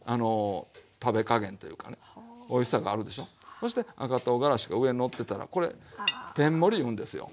そして赤とうがらしが上にのってたらこれ天盛りいうんですよ。